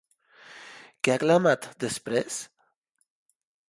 Què ha clamat, després?